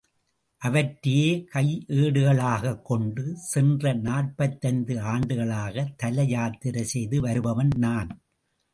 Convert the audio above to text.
அவற்றையே கையேடுகளாகக் கொண்டு சென்ற நாற்பத்தைந்து ஆண்டுகளாக தல யாத்திரை செய்து வருபவன் நான்.